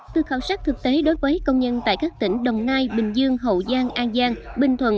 từ khảo sát thực tế đối với công nhân tại các tỉnh đồng nai bình dương hậu giang an giang bình thuận